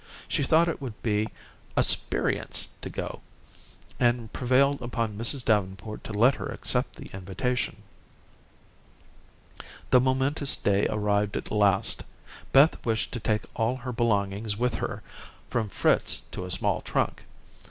She thought it would be a "sperience" to go, and prevailed upon Mrs. Davenport to let her accept the invitation. The momentous day arrived at last. Beth wished to take all her belongings with her, from Fritz to a small trunk.